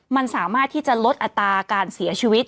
มันสามารถที่จะลดอัตราการเสียชีวิต